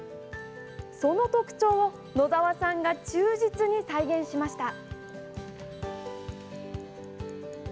その特徴を野澤さんが忠実に再現しました。